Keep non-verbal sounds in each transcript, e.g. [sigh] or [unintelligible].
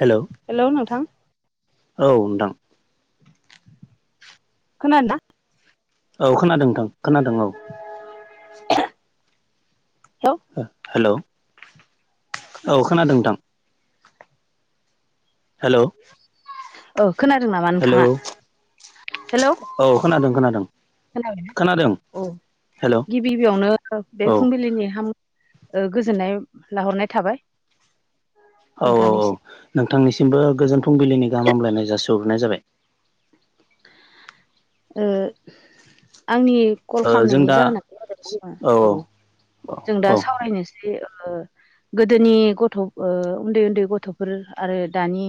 Hello hello नोंथां। औ नोंथां। खनादोंना? औ खोनादों नोंथां खोनादों औ। [inaudible] हेलौ औ खोनादों नोंथां। हेलौ। ओ खोनादों नामा हेलौ नोंथाङा हेलौ। औ खोनादों खोनादों खोनाबाय खोनादों औ हेलौ गिबि गिबियावनो बे औ फुंबिलिनि हाम ओ गोजोननाय लाहरनाय थाबाय। औ औ औ नोंथांनिसिम। नोंथांनिसिमबो गोजोन फुंबिलिनि गाहामलायनाय जासि हरगोनाय जाबाय। ओ आंनि कल ओ जों खालामनायनि दा जाहोनानो जादों औ जों दा औ औ सावरायनोसै ओ ओ गोदोनि गथ' ओ उन्दै उन्दै गथ'फोर आरो दानि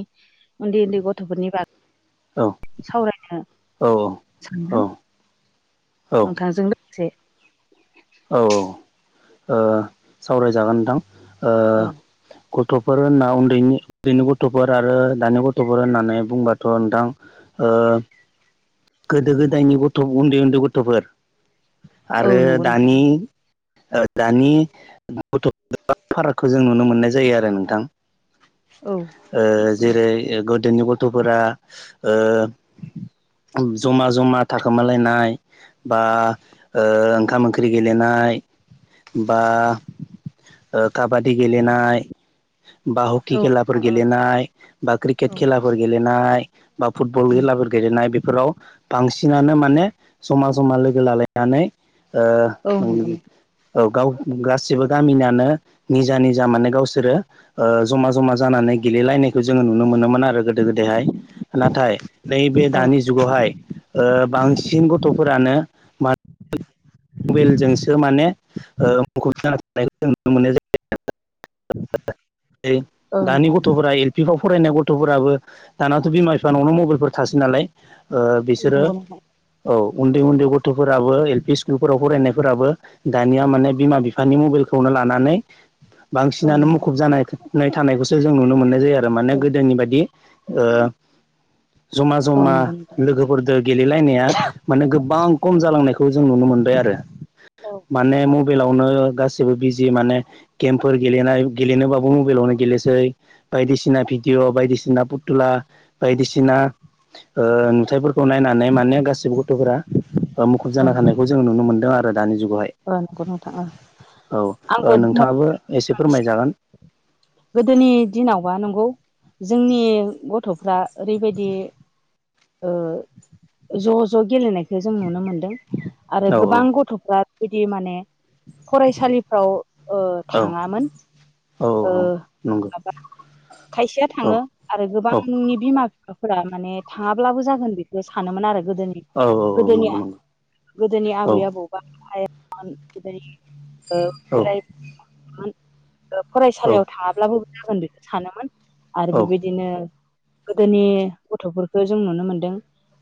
उन्दै उन्दै गथ'फोरनि बाग सावरायनो औ सानदों औ औ नोंथांजों लोगोसे औ औ ओ सावरायजागोन नोंथां ओ औ गथ'फोर होनना उन्दैनि उन्दैनि गथ'फोर आरो दानि गथ'फोर होननानै बुंबाथ' नोंथां ओ। [inaudible] गोदो गोदायनि गथ' उन्दै उन्दै गथ'फोर औ आरो नंगौ नोंथां दानि ओ दानि गथ' फारागखौ जों नुनो मोननाय जायो आरो नोंथां। औ ओ जेरै ओ गथ दोनि गथ'फोरा ओ जमा जमा थाखोमालायनाय बा ओ ओंखाम ओंख ख्रि गेलेनाय बा काबादि गेलेनाय। बा हकि औ खेलाफोर नोंथां गेलेनाय बा क्रिकेट औ खेलाफोर गेलेनाय बा फुटबल खेला फोर गेलेनाय बेफोराव बांसिनानो माने जमा जमा लोगो लालायनानै ओ औ नंगौ ओम। औ गाव गासिबो गामिनिानो निजा निजा माने गावसोरो ओ जमा जमा जानानै। गेलेलायनाय जोङो नुनो मोनोमोन आरो गोदो गोदायहाय नाथाय नैबे औ दानि जुगावहाय। ओ बांसिन गथ'फोरानो मा मबाइलजोंसो माने मुखुब जाना थानायखौ जों नुनो मोननाय जायो। औ दानि नंगौ गथ'फोरा एल पि फाव फरायनाय गथ' गथ'फोराबो दानाथ' बिमा बिफा नावनो मबाइलफोर थासै नालाय ओ बिसोरो नंगौ नोंथां औ उन्दै उन्दै गथ'फोराबो एल पि फोराव फरायनायफोराबो दानिया माने बिमा बिफानि मबाइलखौनो लानानै औ बांसिनानो नंगौ। मुखुब जानाय थानायखौसो जों नुनो मोननाय जाया आरो माने औ गोदोनि बादि ओ जमा औ जमा नंगौ नोंथां लोगोफोरजों गेलेलायनाया माने गोबां खम औ जालांनायखौ जों नुनो मोनो बाय आरो औ माने मबाइलावनो गासैबो जेबो बिजि माने गेम गेलेनाय गेलेनोबाबो मबाइलावनो गेलेनोसै बायदिसिना भिदिअ बायदिसिना फुथुला बायदिसिना ओ नुथायफोरखौ नायनानै माने गासिबो गथ'फोरा मुखुब जाना थानायखौ जों नुनो मोनदों आरो दानि जुगावहाय ओ नंगौ नोथां ओं औ ओ आंखौ नोंथाङाबो एसे फोरमायजागोन गोदोनि दिनावबा नंगौ जोंनि गथ'फ्रा ओरैबायदि ओ ज' ज' गेलेनायखौ जों नुनो मोनदों आरो औ गोबां गथ'फ्रा बेबायदि माने फरायसालिफ्राव ओ औ थाङामोन ओ औ नंगौ माबा खायसेया औ नंगौ औ नंगौ औ नंगौ थाङो आरो गोबांनि बिमा माबाफोरा माने थाङाब्लाबो जागोन बेखौ सानोमोन आरो गोदोनि गोदोनिआ गोदोनि आबै आबौबा आ फान फुजारि औ फरायसालियाव थाङाब्लाबो जागोन बेखौ सानोमोन आरो बेबायदिनो गोदोनि गथ'फोरखौ जों नुनो मोनदों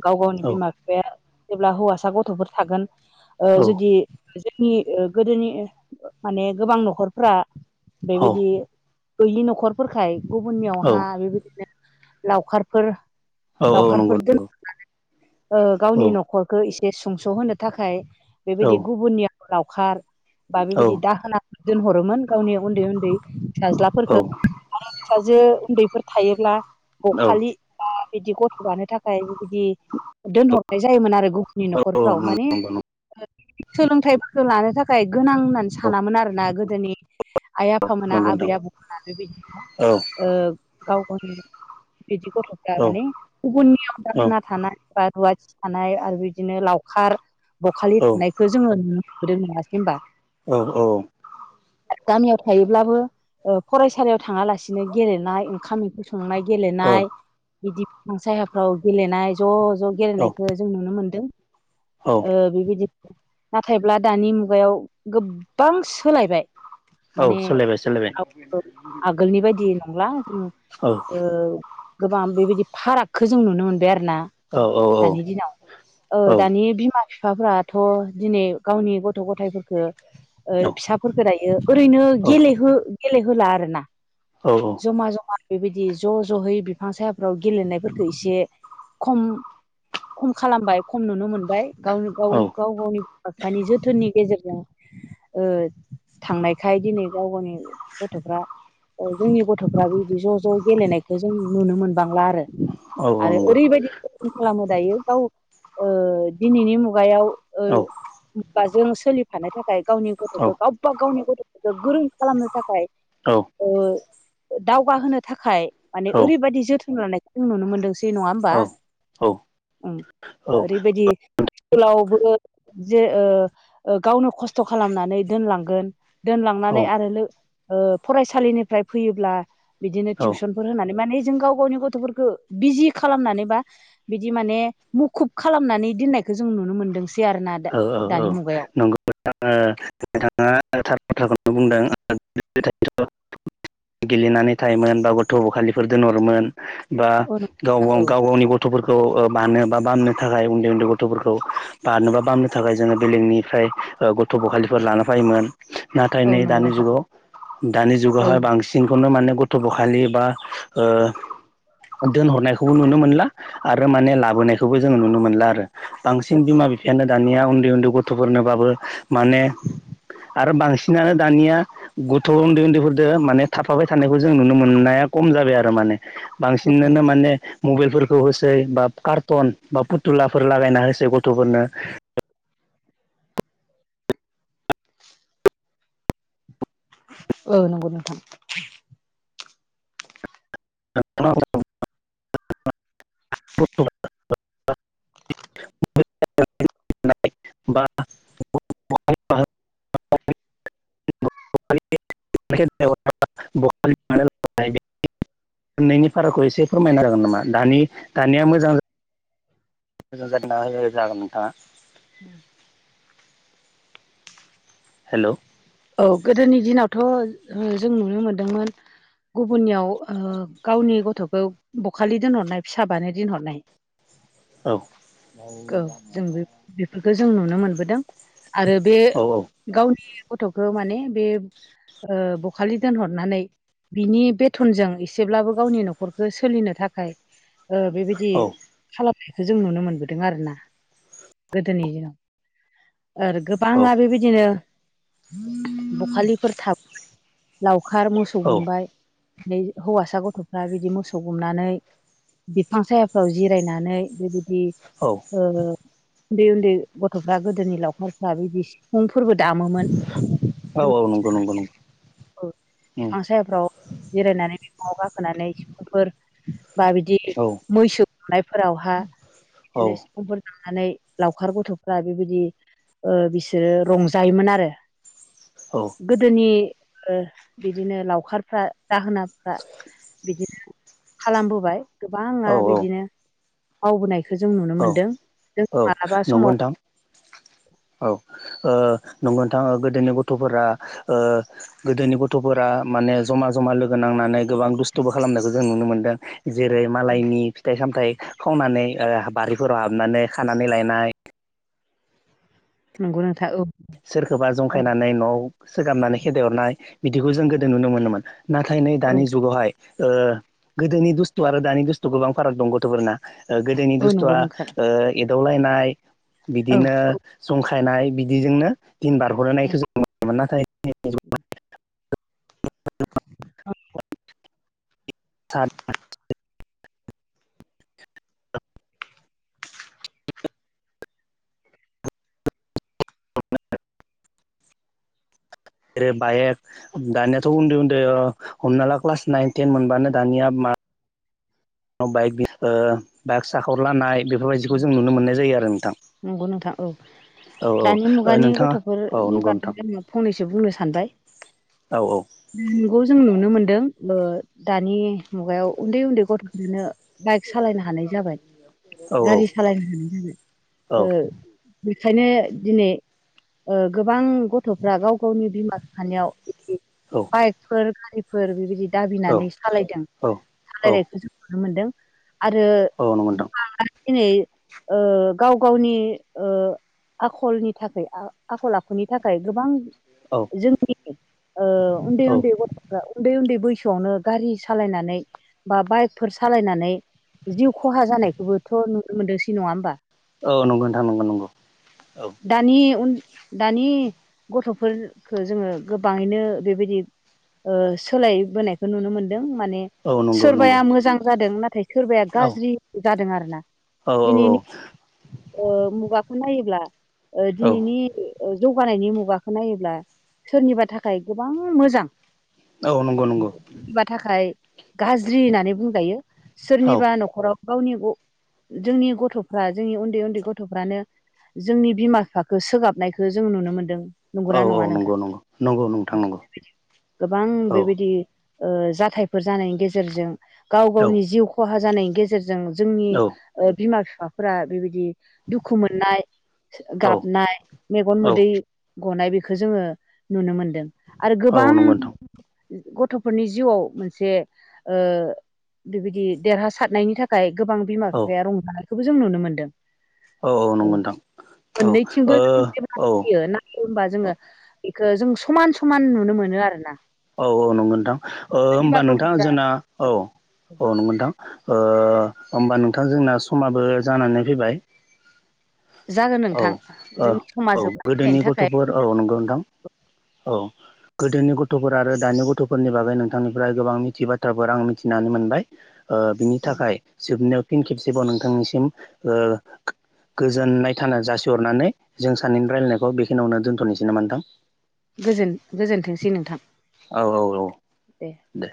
गाव गावनि बिमा बिफाया जेब्ला हौवासा गथ'फोर थागोन ओ जुदि नि गोदोनि माने गोबां न'खरफ्रा बेबायदि गैयि न'खरफोरखाय गुबुननियावहा बेबायदिनो लावखारफोर औ औ नंगौ लावखारफोर दोन नंगौ ओ गावनि न'खरखौ एसे सुंस'होनो थाखाय बेबायदि गुबुननियाव लावखार बा बेबायदि दाहोना दोनहरोमोन गावनि उन्दै उन्दै फिसाज्लाफोरफोरखौ आरो फिसाजो उन्दैफोर थायोब्ला बखालि बिदि गथ' लानो थाखाय बिदि दोनहरनाय जायोमोन आरो गुबुननि न'खरफ्राव माने नंगौ नंगौ सोलोंथाइफोरखौ लानो थाखाय गोनां होननानै औ सानामोन आरोना गोदोनि आइ आफामोना नंगौ आबै नोंथां आबौमोना बेबायदिनो औ गाव गावनि बिदि गथ'फ्रा माने गुबुननियाव औ दाहोना थानाय बा रु थानाय आरो बिदिनो लावखार बखालि थानायखौ जोङो नुनोबोदों नङा होनबा औ औ गामियाव थायोब्लाबो फरायसालियाव थाङालासिनो गेलेनाय ओंखाम ओंख्रि स संनाय गेलेनाय बिदि बिफां सायाफ्राव गेलेनाय ज' ज' औ गेलेनायखौ जों नुनो मोनदों औ बेबायदिनो नाथायब्ला दानि मुगायाव गोबां सोलायबाय औ माने सोलायबाय सोलायबाय आव आगोलनि बायदि नंला औ ओ गोबां बेबायदि फारागखौ जों नुनो मोनदों मोनबाय आरोना औ औ दानि दिनाव औ दानि बिमा बिफाफाथ दिनै गावनि गथ'गथायफोरफोरखौ ओ फिसाफोरफोरखौ दायो ओरैनो गेलेहो गेलेहोला आरोना औ जमा जमा बेबायदि ज जयै बिफां सायाफ्राव गेलेनायफोरखो एसे खम खम खालामबाय खम नुनो मोनबाय गाव औ गाव गाव गावनि बिमा बिफानि जोथोननि गेजेरजों ओ थांनायखाय दिनै गाव गावनि गथफ्रा ओ जोंनि गथ'फ्रा बेबादि ज-ज गेलेनायखौ जों नुनो मोनबांला आरो औ आरो नंगौ ओरैबायदि खालामो दायो गाव ओ दिनैनि मुगायाव ओ औ बाजों सोलिफानो थाखाय गावनि औ गथ'खौ गावबा गावनि गथ' गोरों खालामनो थाखाय औ ओ दावगाहोनो थाखाय औ माने ओरैबायदि जोथोन लानायखौ जों नुनो मोनदोंसै नंङा होमबा औ औ अम ओरैबायदि स्कुलावबो जे ओ गावनो खस्थ खालामनानै दोनलांगोन दोनलांनानै आरो ओ फरायसालिनिफ्राय फैयोब्ला बिदिनो टिउसनफोर होनानै माने जों गाव-गावनि गथफोरखौ बिजि खालामनानै बा बिदि माने मुखुब खालामनानै दोननाय जों नुनो मोनदों स औ औ औ नंगौ नोंथां नोंथांया थार बाथ्राखौनो बुंदों [unintelligible] गेलेनानै थायोमोन बा गथ' बखालिफोर दोनहरोमोन। बा औ नोंथां औ गाव-गाव-गावनि गथ'फोर खौ बानो बा बामनो थाखाय उन्दै उन्दै गथ'फोरखौ बानोबा बामनो थाखाय जोंङो बिलेकनिफ्राय गथ'बखालिफोर लाना फायोमोन। नाथाय औ नै नंगौ दानि नोंथां जुगाव दानि औ जुगावहाय बांसिनखौनो माने गथ'बोखालि बा ओ दोनहरनायखौबो नुनो मोनला आरो माने लाबोनायखौबो जोंङो नुनो मोनला आरो बांसिन बिमा बि दानिया उन्दै-उन्दै गथ'फोरनोबाबो माने आरो बांसिनानो दानिया गथ' उन्दै-उन्दैफोरदो माने थाफाबाय थानायखौ जों नुनो मोननाया खम जाबाय आरो माने बांसिनानो माने मबाइलफोरखौ होसै बा कार्टन बा फुथुलाफोर लागायना होसै गथ'फोरनो औ नंगौ नोंथां [unintelligible] [unintelligible] [inaudible] [unintelligible] मोनायनि फाराखौ एसे फोरमायना होजागोन नामा दानि दानिया मोजां मोजां जागोन नोंथांङा अम हेलौ औ गोदोनि दिनावथ जों नुनो मोनदोंमोन गुबुननियाव ओ गावनि गथ'खौ बखालि दोनहरनाय फिसाबानो दोनहरनाय औ औ जोंबो बि खो जों नुनो मोनबोदों आरो बे औ गावनि गथ'खौ माने बे ओ बखालि दोनहरनानै बिनि बेथनजों एसेब्लाबो गावनि नखरखौ सोलिनो थाखाय ओ बेबायदि औ खालाम जों नुनो मोनबोदों आरोना गोदोनि दिनाव आरो गोबां औ आरो बेबायदिनो बखालिफोर था लावखार मोसौ औ गुमबाय बे हौवासा गथ'फ्रा बिदि मोसौ गुमनानै बिफां सायाफ्राव जिरायनानै बेबायदि औ ओ उन्दै-उन्दै गथ'फ्रा गोदोनि लावखारफ्रा बिदि सिफुंफोरबो दाम औ औ नंगौ नंगौ नंगौ औ बिफां सायाफ्राव जिरायनानै बिफाङाव गाखोनानै सिफुंफोर बा बिदि औ मैसो गुमनायफोरावहा औ बिदिनो सिफुंफोरजों नुनानै लावखार गथ'फ्रा बेबायदि ओ बिसोरो रंजायोमोन आरो। गोदोनि ओ बिदिनो लावखारफ्रा दाहोनाफ्रा बिदिनो खालामबोबाय औ गोबाङा बिदिनो मावबोनायखो जों नुनो औ मोन्दों जों औ मालाबा नंगौ समाव नोंथां औ ओ नंगौ नोथां ओ गोदोनि गथ'फोरा ओ गोदोनि गथ'फोरा ओ माने जमा जमा लोगो नांनानै गोबां दुस्थ'बो खालामनायखौ जों नुनो मोनदों। जेरै मालायनि फिथाइ सामथाइ खावनानै ओ बारिफोराव हाबनानै खानानै लायनाय नंगौ नोंथां औ। सोरखोबा औ जंखायनानै न'आव सोगाबनानै खेदायहरनाय बिदिखौ जों गोदो नुनो मोनोमोन। नाथाय नै औ दानि जुगावहाय ओ गोदोनि बदुस्थु आरो दानि दुस्थु गोबां फाराग दं गथ'फोरना गोदोनि औ नंगौ दुस्थुआ नोंथां ओ एदावलायनाय औ बिदिनो औ जंखाय लायनाय बिदिजोंनो दिन औ बारहरनायखौ जों नुनो नाथाय [unintelligible] औ [inaudible] [inaudible] [inaudible] जेरै बाइक दानियाथ' उन्दै-उन्दै ओ हमना ला क्लास नाइन टेन मोनबानो दानिया मा बाइक बि ओ बाइक साखावलानाय बेफोर बायदिखौ जों नुनो मोननाय जायो आरो नोंथां। नंगौ नोंथां औ दानि मुगानि औ ओ गथ'फोरनि बागै नोंथाङा औ आङो फंनैसो बुंनो सानबाय नंगौ नोंथां औ उम नंगौ जों नुनो मोनदों ओ दानि मुगायाव उन्दै-उन्दै गथ'फोरनो [inaudible] गारि सालायनो होनानाय ओ ओंखायनो दिनै ओ गोबां गथ'फ्रा गाव गावनि बिमा बिफानियाव बाइकफोर गारिफोर बेबायदि औ दाबिनानै सालायदों औ औ सालायनायखो जों नुनो मोनदों आरो औ नंगौ नोंथां गोबाङा दिनै ओ गाव गावनि ओ आखलनि थाखाय आ आखल आखुनि थाखाय गोबां औ नंगौ जोंनि ओ उन्दै उन्दै गथ'फ्रा उन्दै उन्दै बैसो आवनो गारि सालायनानै बा बाइकफोर सालायनानै जिउ खहा जानायखौबो थ' नुनो मोनदोंसै नङा होनोमबा। औ नंगौ नथां नंगौ नंगौ औ। दानि उन दानि गथ'फोरखो जोङो गोबाङैनो बेबायदि ओ सोलायबोनायखौ नुनो मोनदों माने औ नंगौ नंगौ सोरबाया मोजां जादों नाथाय सोरबाया औ गाज्रि जादों आरोना। औ दिनैनि ओ मुगाखौ नायोब्ला ओ औ दिनैनि ओ जौगानायनि मुगाखौ नायोब्ला सोरनिबा थाखाय गोबां मोजां औ नंगौ नंगौ सोरनिबा थाखाय गाज्रि होननानै बुंजायो। औ सोरनिबा न'खराव गावनि ग जोंनि गथ'फ्रा जोंनि उन्दै उन्दै गथ'फ्रानो जोंनि बिमा बिफाखो सोगाबनायखो जों नुनो मोनदों। औ नंगौना औ नङा नोंथां नंगौ नंगौ नंगौ नोंथां नंगौ [inaudible] गोबां औ बेबायदि ओ जाथायफोर जानायनि गेजेरजों गाव औ गावनि जिउ खहा जानायनि गेजेरजों जोंनि ओ बिमा बिफाफोरा बेबायदि दुखु मोननाय गाबनाय मेगन औ मोदै गनाय बेखो जोङो नुनो मोनदों आरो औ गोबां नंगौ नोंथां गथ'फोरनि जिउआव मोनसे ओ बेबायदि देरहासारनायनि थाखाय गोबां बिमा औ बिफाया रंजानायखौबो जों नुनो मोन्दों। औ औ नंगौ नोंथां। औ मोननैथिंबो ओ जों औ जयो नायो होमबा जोङो अ जों समान समान नुनो मोनो आरो ना। औ-औ नंगौ नोंथां होमबा नोंथां गथ'फ्रा जोंना औ औ नंगौ नोंथां ओ होमबा नोंथां जोंना समाबो जानानै फैबाय जागोन औ नोंथां जोंनि समा औ जोबना गोदोनि फैनायनि थाखाय गथ'फोर औ नंगौ नोंथां औ गोदोनि गथ' गथ'फोर आरो दानि गथ'फोरनि बागै नोंथांनिफ्राय गोबां मिथि बाथ्राफोर आं मिथिनानै मोनबाय ओ बिनि औ थाखाय जोबनायाव फिन खेबसेबाव नोंथांनिसिम गोजोननाय थानो जासिहरनानै जों सानैनि रायज्लायनायखौ बेखिनियावनो दोन्थ'नोसै नामा नोंथां? गोजोन गोजोनथोंसै नोंथां। औ--औ-औ दे